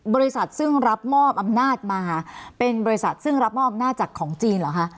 บริษัทซึ่งรับมอบอำนาจมาเป็นบริษัทซึ่งรับมอบอำนาจจากของจีนเหรอคะ